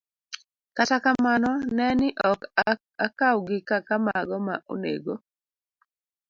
Kata kamano, ne ni ok okawgi kaka mago ma onego